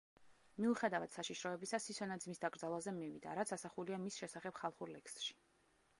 მიუხედავად საშიშროებისა, სისონა ძმის დაკრძალვაზე მივიდა, რაც ასახულია მის შესახებ ხალხურ ლექსში.